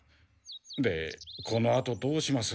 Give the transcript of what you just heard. でこのあとどうします？